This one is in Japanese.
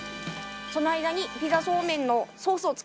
その間にピザそうめんの。